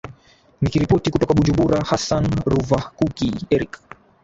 nikiripoti kutoka bujumbura hasan ruvakuki eric